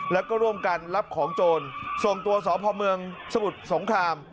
แล้วก็ร่วมกันรับของโจรส่งตัวสพเมืองสมุทรสงคราม